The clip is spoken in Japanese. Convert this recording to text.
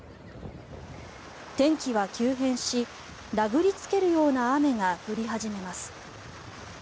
天気は急変し殴りつけるような雨が降り始めます。